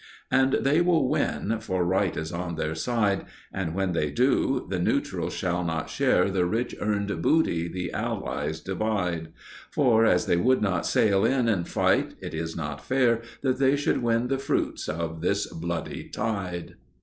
And they will win, for right is on their side; And when they do, the neutrals shall not share The rich earned booty the Allies divide; For, as they would not sail in and fight, it is not fair That they should win the fruits of this bloody tide.